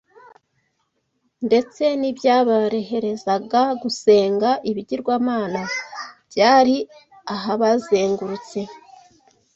ndetse n’ibyabareherezaga gusenga ibigirwamana byari ahabazengurutse